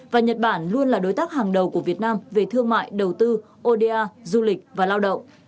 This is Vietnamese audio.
và nhật bản luôn là đối tác hàng đầu của việt nam về thương mại đầu tư oda du lịch và lao động